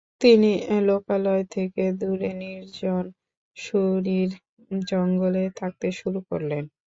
তিনি লোকালয় থেকে দূরে নির্জন সূরীর জঙ্গলে থাকতে শুরু করলেন।